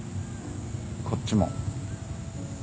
こっちも。